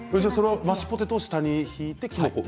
マッシュポテトを下に敷いて？